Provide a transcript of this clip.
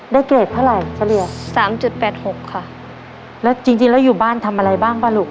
เกรดเท่าไหร่เฉลี่ยสามจุดแปดหกค่ะแล้วจริงจริงแล้วอยู่บ้านทำอะไรบ้างป่ะลูก